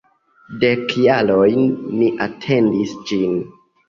Dek jarojn mi atendis ĝin!